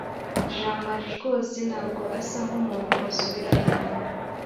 jamali rwose ntabwo asa nkumuntu wasubira inyuma